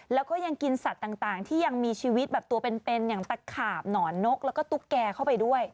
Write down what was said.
แล้วก็ยังกินสัตว์ต่างที่ยังมีชีวิตแบบตัวเป็นอย่างตะขาบหนอนนกแล้วก็ตุ๊กแกเข้าไปด้วย